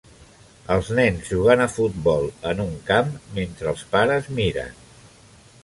Els nens jugant a futbol en un camp mentre els pares miren.